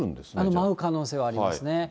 舞う可能性はありますね。